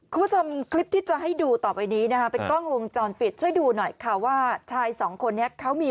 คุณผู้ชมคลิปที่จะให้ดูต่อไปนี้นะคะเป็นกล้องวงจรปิดช่วยดูหน่อยค่ะว่าชายสองคนนี้เขามี